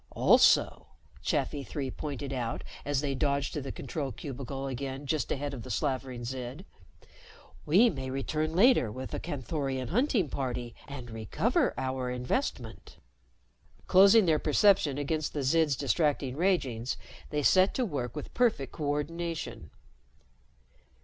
"Also," Chafi Three pointed out as they dodged to the control cubicle again just ahead of the slavering Zid, "we may return later with a Canthorian hunting party and recover our investment." Closing their perception against the Zid's distracting ragings, they set to work with perfect coordination.